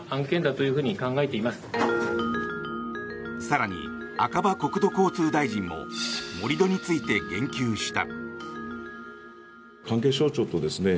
更に、赤羽国土交通大臣も盛り土について言及した。